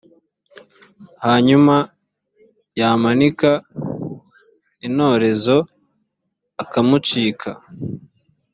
hanyuma yamanika intorezo, ikamucika